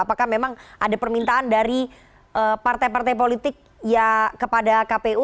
apakah memang ada permintaan dari partai partai politik ya kepada kpu